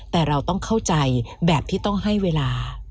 แต่เราต้องเข้าใจแบบที่ต้องให้เวลา